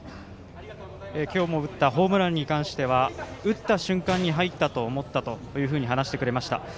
今日、打ったホームランに関しては打った瞬間に入ったと思ったと話してくれました。